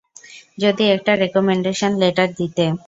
যদি একটা recommendation letter দিতে।